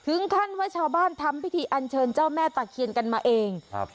ถึงขั้นว่าชาวบ้านทำพิธีอันเชิญเจ้าแม่ตะเคียนกันมาเองครับ